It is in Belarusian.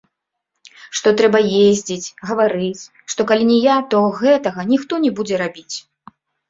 Што трэба ездзіць, гаварыць, што калі не я, то гэтага ніхто не будзе рабіць.